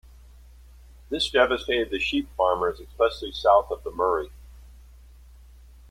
This devastated the sheep farmers, especially south of the Murray.